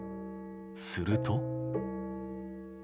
すると。